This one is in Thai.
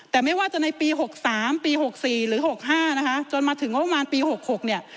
แต่ไม่ว่าจะในปี๖๓ปี๖๔หรือ๖๕นะคะจนมาถึงงบประมาณปี๖๖เนี่ย